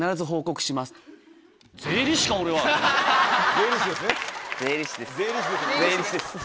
税理士ですね。